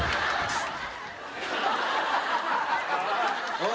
おい。